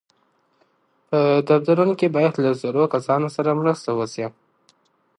په دفترونو کي باید له زړو کسانو سره مرسته وسي.